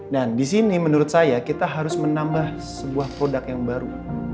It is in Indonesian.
dan disini menurut saya kita harus menambah sebuah produk yang baru